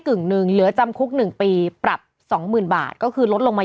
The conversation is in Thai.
กึ่งหนึ่งเหลือจำคุก๑ปีปรับสองหมื่นบาทก็คือลดลงมา